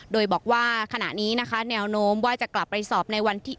โดยบอกว่าขณะนี้นะคะแนวโน้มว่าจะกลับไปสอบในวันที่